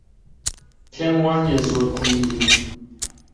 پێم وا نییە زۆر کۆمیدی بم.